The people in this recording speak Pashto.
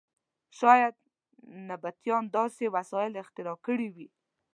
شاید نبطیانو داسې وسایل اختراع کړي وي.